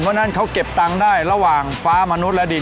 เพราะฉะนั้นเขาเก็บตังค์ได้ระหว่างฟ้ามนุษย์และดิน